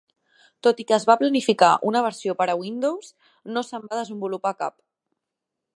Tot i que es va planificar una versió per a Windows, no se'n va desenvolupar cap.